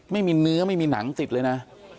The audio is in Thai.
ไม่มีเนื้อไม่มีหนังติดเลยนะ